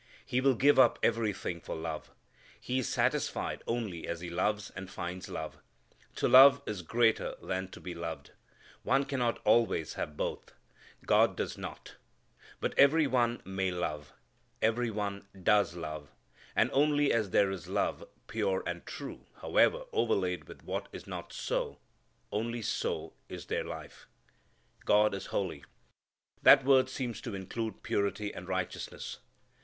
He will give up everything for love. He is satisfied only as he loves and finds love. To love is greater than to be loved. One cannot always have both. God does not. But every one may love. Every one does love. And only as there is love, pure and true however overlaid with what is not so only so is there life. God is holy. That word seems to include purity and righteousness.